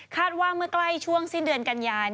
ว่าเมื่อใกล้ช่วงสิ้นเดือนกันยา